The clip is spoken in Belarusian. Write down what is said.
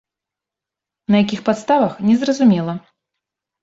На якіх падставах, незразумела.